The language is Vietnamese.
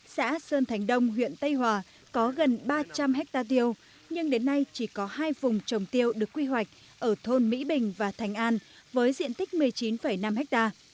xã sơn thành đông huyện tây hòa có gần ba trăm linh hectare tiêu nhưng đến nay chỉ có hai vùng trồng tiêu được quy hoạch ở thôn mỹ bình và thành an với diện tích một mươi chín năm ha